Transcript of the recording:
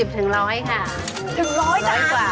ที่ร้อยกว่าร้อยกว่า